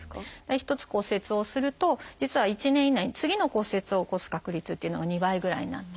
一つ骨折をすると実は１年以内に次の骨折を起こす確率っていうのが２倍ぐらいになって。